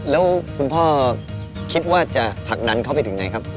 แล้วคุณพ่อคิดว่าจะผลักดันเขาไปถึงไหนครับ